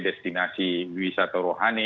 destinasi wisata rohani